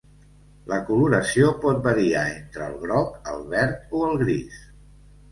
La coloració pot variar entre el groc, el verd o el gris.